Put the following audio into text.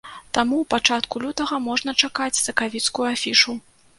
Таму ў пачатку лютага можна чакаць сакавіцкую афішу.